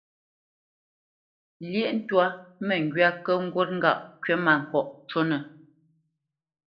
Lyéʼ twâ məŋgywá kə̂ ŋgût ŋgâʼ kywítmâŋkɔʼ cúnə̄.